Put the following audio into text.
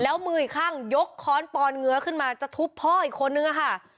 แล้วมืออีกข้างยกค้อนปอนเงื้อขึ้นมาจะทุบพ่ออีกคนนึงอะค่ะ